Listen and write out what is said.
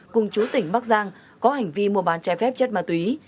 cùng chú tỉnh bắc giang có hành vi mua bán trái phép chất ma túy